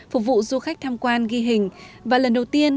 phục vụ du khách tham quan ghi hình và lần đầu tiên